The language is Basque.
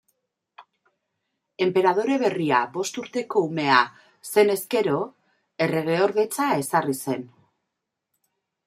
Enperadore berria bost urteko umea zenez gero, erregeordetza ezarri zen.